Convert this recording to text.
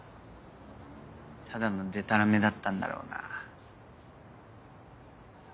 ただのでたらめだったんだろうなぁ。